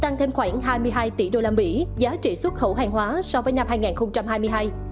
tăng thêm khoảng hai mươi hai tỷ usd giá trị xuất khẩu hàng hóa so với năm hai nghìn hai mươi hai